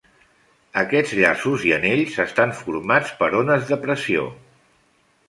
Aquests llaços i anells estan formats per ones de pressió.